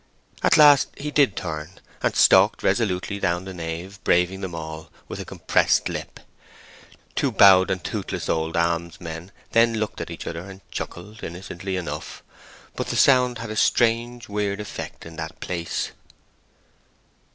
At last he did turn, and stalked resolutely down the nave, braving them all, with a compressed lip. Two bowed and toothless old almsmen then looked at each other and chuckled, innocently enough; but the sound had a strange weird effect in that place.